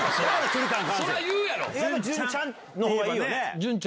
「潤ちゃん」の方がいいよね？